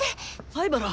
灰原！